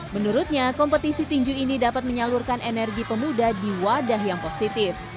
menurutnya kompetisi tinju ini dapat menyalurkan energi pemuda di wadah yang positif